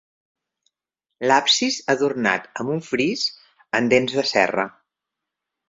L'absis adornat amb un fris en dents de serra.